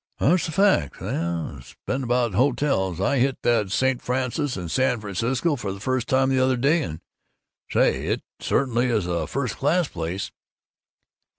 "That's a fact. Say, uh, speaknubout hotels, I hit the St. Francis at San Francisco for the first time, the other day, and, say, it certainly is a first class place."